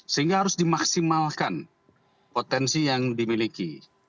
sehingga harus dimaksimalkan potensi yang dimiliki